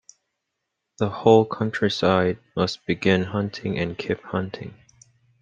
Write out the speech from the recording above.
The whole countryside must begin hunting and keep hunting.